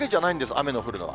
雨の降るのは。